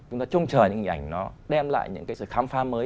chúng ta trông chờ những hình ảnh nó đem lại những cái sự khám phá mới